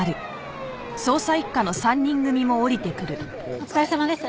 お疲れさまです。